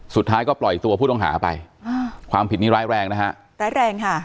สุดท้ายก็ปล่อยตัวผู้ต้องหาไปความผิดนี้ร้ายแรงค่ะ